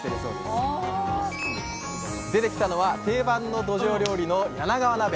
出てきたのは定番のどじょう料理の「柳川鍋」。